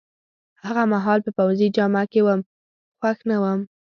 هغه مهال په پوځي جامه کي وم، خوښ نه وم.